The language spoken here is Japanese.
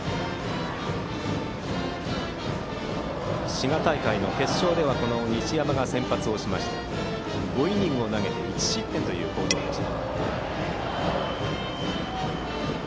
滋賀大会の決勝ではこの西山が先発をして５イニングを投げて１失点という好投でした。